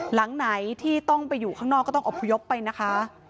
หลังไหนที่ต้องไปอยู่ข้างนอกก็ต้องอบพยพไปนะคะ